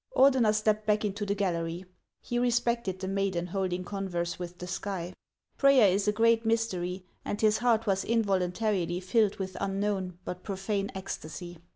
Ordener stepped back into the gallery ; he respected 54 HANS OF ICELAND. the maiden holding converse with the sky. Prayer is a great mystery, and his heart was involuntarily filled with unknown but profane ecstasy.